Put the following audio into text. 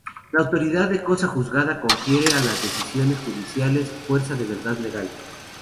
La autoridad de cosa juzgada confiere a las decisiones judiciales fuerza de verdad legal.